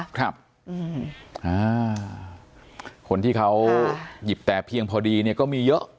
คนที่เขาหยิบแต่เพียงพอดีเนี่ยก็มีเยอะ